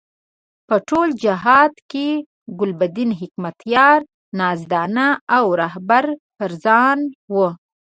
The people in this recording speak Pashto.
په ټول جهاد کې ګلبدین حکمتیار نازدانه او رهبر فرزانه وو.